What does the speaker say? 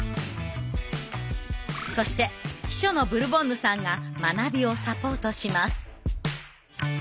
そして秘書のブルボンヌさんが学びをサポートします。